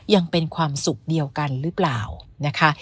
ยังเป็นความสุขเดียวกันหรือเปล่านะคะ